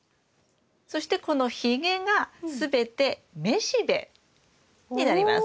そしてこのひげが全て雌しべになります。